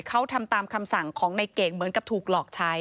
เขาทำตามคำสั่งของในเก่งเหมือนกับถูกหลอกใช้